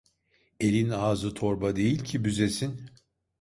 Elin ağzı torba değil ki büzesin.